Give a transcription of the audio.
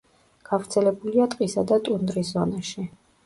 გავრცელებულია ტყისა და ტუნდრის ზონაში.